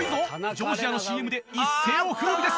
ジョージアのＣＭで一世を風靡です。